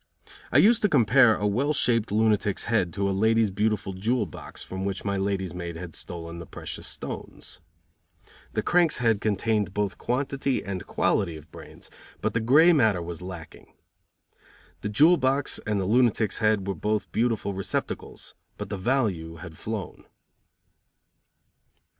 I used to compare a well shaped lunatic's head to a lady's beautiful jewel box from which my lady's maid had stolen the precious stones. The crank's head contained both quantity and quality of brains, but the grey matter was lacking. The jewel box and the lunatic's head were both beautiful receptacles, but the value had flown.